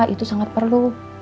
itu sangat perlu